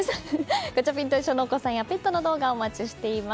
ガチャピンと一緒のお子さんやペットの動画お待ちしています。